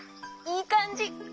いいかんじ！